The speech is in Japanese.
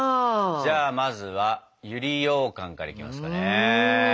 じゃあまずは百合ようかんからいきますかね。